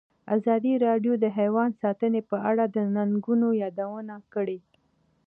ازادي راډیو د حیوان ساتنه په اړه د ننګونو یادونه کړې.